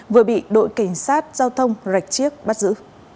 vừa bị đội cảnh sát giao thông rạch chiếc bắt giữ